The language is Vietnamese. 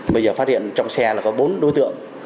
bây giờ phát hiện trong xe là có bốn đối tượng